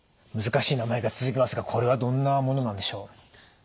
難しい名前が続きますがこれはどんなものなんでしょう？